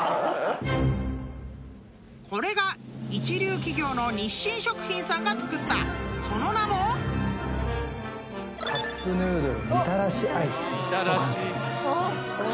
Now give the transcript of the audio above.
［これが一流企業の日清食品さんが作ったその名も］お！